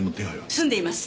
済んでいます。